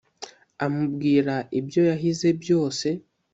amubwira ibyo yahize byose